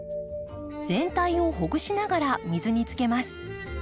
全体をほぐしながら水につけます。